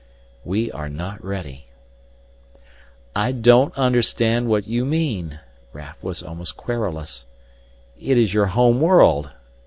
"We are not ready " "I don't understand what you mean." Raf was almost querulous. "It is your home world.